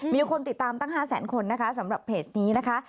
มีคนติดตามตั้ง๕แสนคนนะคะสำหรับเพจนี้นะคะ